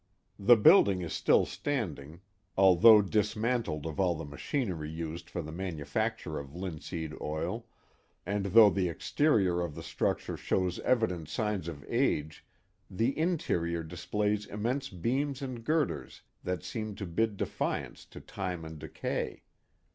The building is still standing, although dismantled Early Industries 325 of all the machinery used for the manufacture of linseed oil, and though the exterior of the structure shows evident signs of age the interior displays immense beams and girders that seem to bid defiance to time and decay.